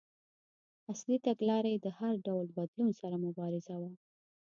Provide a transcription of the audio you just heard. اصلي تګلاره یې د هر ډول بدلون سره مبارزه وه.